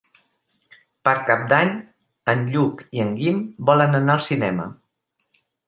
Per Cap d'Any en Lluc i en Guim volen anar al cinema.